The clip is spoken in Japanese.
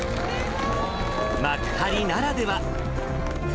幕張ならでは。